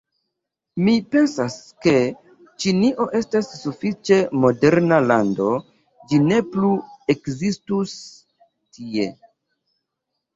Mi pensas ke Ĉinio estas sufiĉe moderna lando, ĝi ne plu ekzistus tie.